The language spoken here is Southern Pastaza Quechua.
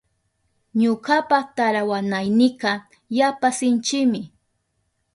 Ñukapa tarawanaynika yapa sinchimi.